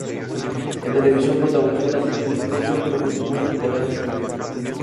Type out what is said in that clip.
En televisión protagonizó la serie "Misterio", "Lobos de mar" y "La gran sangre".